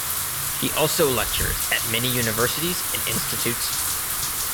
He also lectures at many universities and institutes.